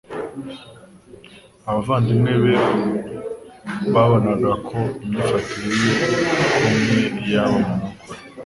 Abayandimwe be babonaga ko imyifatire ye ikomye iyabo mu nkokora.